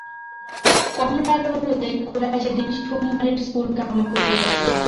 কমলার অনুরোধে খুড়া সেদিন সোমবারের স্কুল কামাই করিয়াছিলেন।